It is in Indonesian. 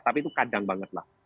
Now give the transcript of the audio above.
tapi itu kadang banget lah